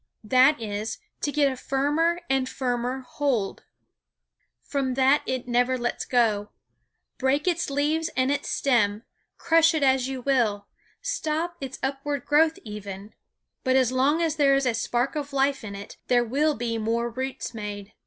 That is, to get a firmer and firmer hold. From that it never lets go. Break its leaves and its stem, crush it as you will, stop its upward growth even, but as long as there is a spark of life in it there will be more roots made.